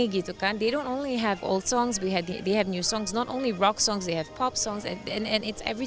mereka tidak hanya punya lagu tua mereka punya lagu baru bukan hanya lagu rock mereka punya lagu pop dan semuanya